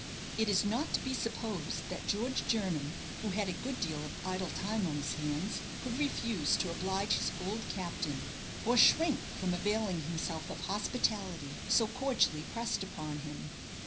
It is not to be supposed that George Jernam, who had a good deal of idle time on his hands, could refuse to oblige his old captain, or shrink from availing himself of hospitality so cordially pressed upon him.